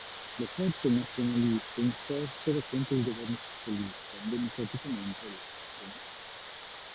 Le forze nazionaliste insorsero contro il governo socialista democraticamente eletto.